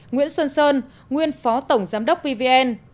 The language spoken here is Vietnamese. nguyễn xuân sơn nguyên phó tổng giám đốc pvn